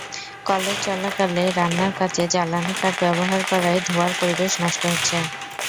College চলাকালে রান্নার কাজে জ্বালানি কাঠ ব্যবহার করায় ধোঁয়ায় পরিবেশ নষ্ট হচ্ছে।